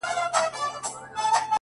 • سم د قصاب د قصابۍ غوندي،